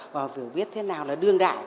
và hiểu biết thế nào là đơn đại